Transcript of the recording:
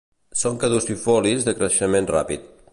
Són caducifolis de creixement ràpid.